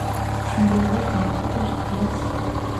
სიმბოლურად გამოხატავს გველს.